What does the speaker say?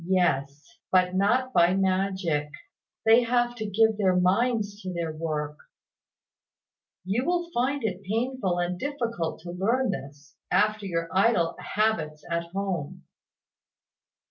"Yes; but not by magic. They have to give their minds to their work. You will find it painful and difficult to learn this, after your idle habits at home.